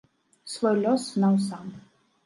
Свой лёс знаў сам.